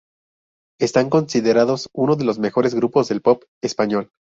Están considerados uno de los mejores grupos del pop español.